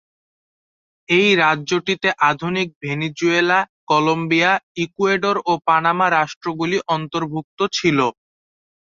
এই রাজ্যটিতে আধুনিক ভেনেজুয়েলা, কলম্বিয়া, ইকুয়েডর ও পানামা রাষ্ট্রগুলি অন্তর্ভুক্ত ছিল।